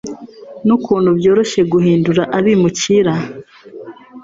n'ukuntu byoroshye guhindura abimukira